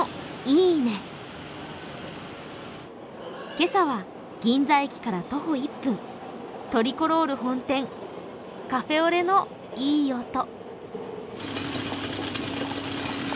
今朝は銀座駅から徒歩１分、トリコロール本店、カフェオレのいい音。